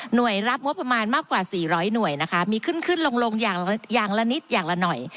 โดยรับงบประมาณมากกว่า๔๐๐หน่วยนะคะมีขึ้นขึ้นลงอย่างละนิดอย่างละหน่อย